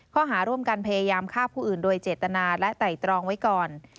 ข้อหาร่วมกันพยายามฆ่าผู้อื่นโดยเจตนาและไต่ตรองไว้ก่อน